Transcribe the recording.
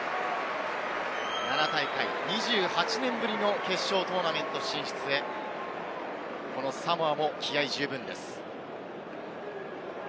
７大会２８年ぶりの決勝トーナメント進出へ、このサモアも気合十分です。